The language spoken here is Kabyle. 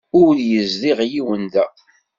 Ur yezdiɣ yiwen da.